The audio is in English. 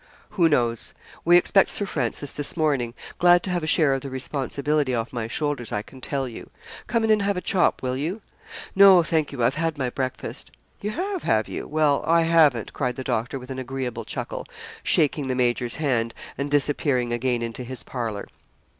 'Who knows? We expect Sir Francis this morning. Glad to have a share of the responsibility off my shoulders, I can tell you. Come in and have a chop, will you?' 'No, thank you, I've had my breakfast.' 'You have, have you? Well, I haven't,' cried the doctor, with an agreeable chuckle, shaking the major's hand, and disappearing again into his parlour.